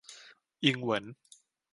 อิงเหวิน